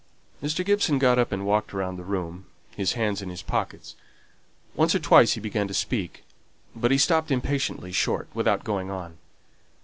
Mr. Gibson got up, and walked about the room, his hands in his pockets. Once or twice he began to speak, but he stopped impatiently short without going on.